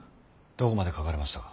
どこまで書かれましたか。